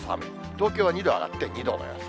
東京は２度上がって２度の予想。